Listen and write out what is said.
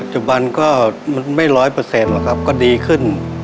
จุบันก็ไม่ร้อยเปอร์เซ็นต์หรอกครับก็ดีขึ้น